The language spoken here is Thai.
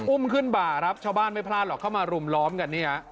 อุ้มขึ้นบ่าครับชาวบ้านไม่พลาดหรอกเข้ามารุมล้อมกันเนี่ย